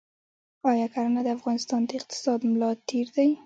آیا کرنه د افغانستان د اقتصاد ملا تیر دی؟